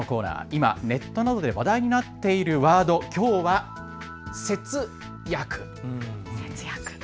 今ネットなどで話題になっているワード、きょうは節約。